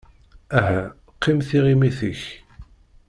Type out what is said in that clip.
Aha, qqim tiɣimit-ik!